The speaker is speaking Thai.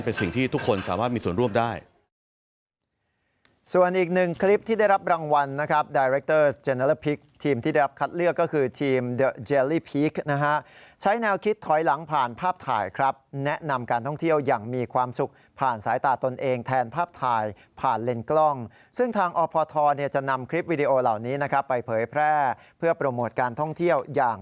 เป็นสิ่งที่ทุกคนสามารถมีส่วนร่วมได้